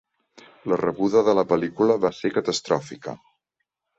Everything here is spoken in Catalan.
La rebuda de la pel·lícula va ser catastròfica.